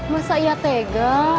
masa ya tega